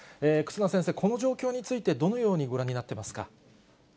忽那先生、この状況についてどのようにご覧になってますか？